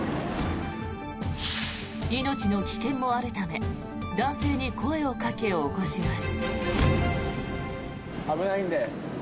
命の危険もあるため男性に声をかけ、起こします。